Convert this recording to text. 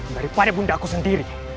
daripada bundaku sendiri